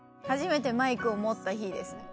初めてマイクを持った日です。